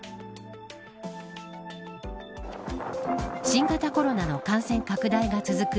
新型コロナの感染拡大が続く